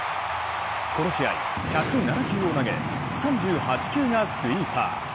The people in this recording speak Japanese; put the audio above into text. この試合１０７球を投げ３８球がスイーパー。